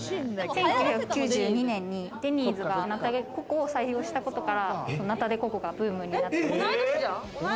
１９９２年にデニーズがナタデココを採用したことから、ナタデココがブームに。